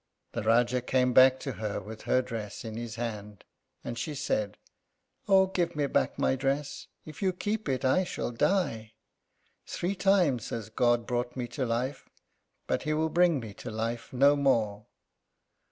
The Rájá came back to her with her dress in his hand, and she said, "Oh, give me back my dress. If you keep it I shall die. Three times has God brought me to life, but he will bring me to life no more."